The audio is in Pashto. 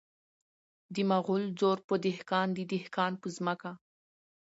د مغل زور په دهقان د دهقان په ځمکه .